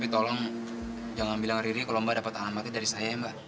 tolong jangan bilang riri kalau mbak dapat alamatnya dari saya ya mbak